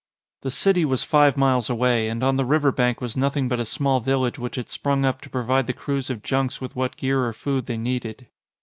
The city was five miles away and on the river bank was nothing but a small village which had sprung up to provide the crews of junks with what gear or food they needed.